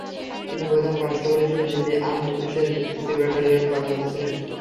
তিনি প্রধান কনস্টেবল হিসেবে দিল্লি আর্মড পুলিশের তৃতীয় ব্যাটালিয়নে কর্মরত ছিলেন।